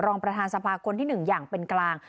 รองประธานสภาคนที่๑อย่างเป็นกลาง